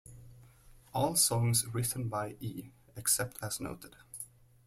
All songs written by E, except as noted.